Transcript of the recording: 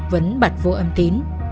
vẫn bạch vô âm tín